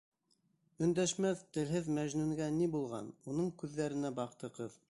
Өндәшмәҫ, телһеҙ мәжнүнгә ни булған, уның күҙҙәренә баҡты ҡыҙ.